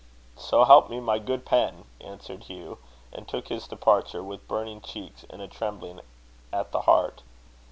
so help me, my good pen!" answered Hugh, and took his departure, with burning cheeks and a trembling at the heart.